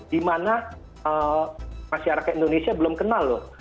di mana masyarakat indonesia belum kenal loh